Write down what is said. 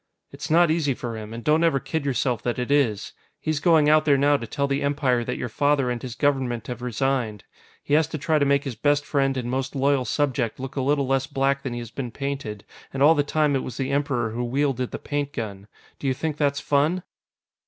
"It's not easy for him, and don't ever kid yourself that it is. He's going out there now to tell the Empire that your father and his Government have resigned. He has to try to make his best friend and most loyal subject look a little less black than he has been painted, and all the time it was the Emperor who wielded the paint gun. Do you think that's fun?"